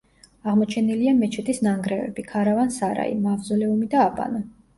აღმოჩენილია მეჩეთის ნანგრევები, ქარავან-სარაი, მავზოლეუმი და აბანო.